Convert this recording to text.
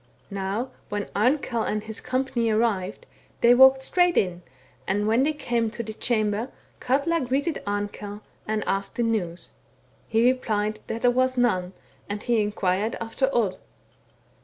Now when Amkell and his company arrived, they walked straight in, and when they came into the chamber, Katla greeted Amkell, and asked the news. He replied that there was none, and he inquired after Odd.